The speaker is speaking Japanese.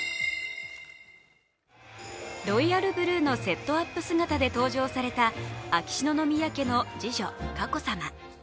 ロイヤルブルーのセットアップ姿で登場された秋篠宮家の次女・佳子さま。